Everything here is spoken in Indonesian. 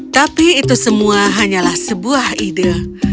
tapi itu semua hanyalah sebuah ide